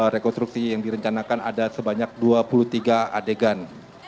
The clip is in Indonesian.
rekonstruksi yang direncanakan ada sebanyak dua puluh tiga adegan